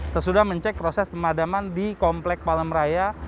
sesudah mencek proses pemadaman di komplek palemraya